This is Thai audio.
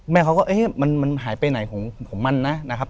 เขาก็เอ๊ะมันหายไปไหนของมันนะครับ